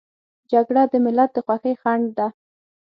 جګړه د ملت د خوښۍ خنډ ده